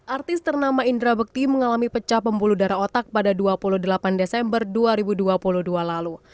artis ternama indra bekti mengalami pecah pembuluh darah otak pada dua puluh delapan desember dua ribu dua puluh dua lalu